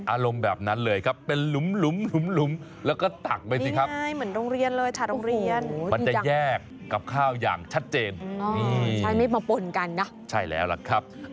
อารมณ์แบบนั้นเลยครับเป็นหลุมแล้วก็ตักไปสิครับ